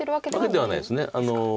わけではないです。